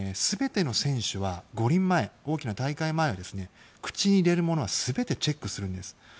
全ての選手は五輪前大きな大会前は口に入れるものは全てチェックするんです。